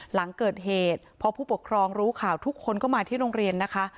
หลังเกิดเหตุพอผู้ปกครองรู้ข่าวทุกคนก็มาที่โรงเรียนนะคะ